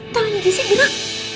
tangan jessy gerak